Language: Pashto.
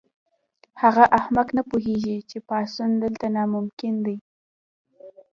هغه احمق نه پوهیږي چې پاڅون دلته ناممکن دی